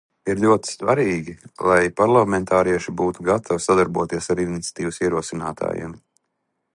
Ir ļoti svarīgi, lai parlamentārieši būtu gatavi sadarboties ar iniciatīvas ierosinātājiem.